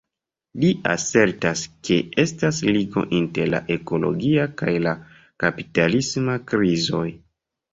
Li asertas ke estas ligo inter la ekologia kaj la kapitalisma krizoj.